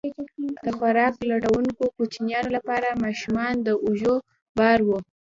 د خوراک لټونکو کوچیانو لپاره ماشومان د اوږو بار وو.